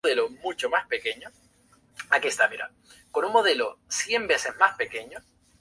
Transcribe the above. El videoclip fue grabado en Argentina.